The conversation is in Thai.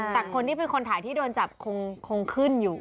แต่คนที่เป็นคนถ่ายที่โดนจับคงขึ้นอยู่